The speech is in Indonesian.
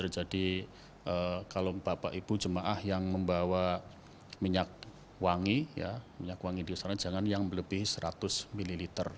jadi kalau bapak ibu jemaah yang membawa minyak wangi jangan yang melebihi seratus ml